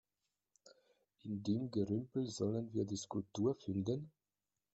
In dem Gerümpel sollen wir die Skulptur finden?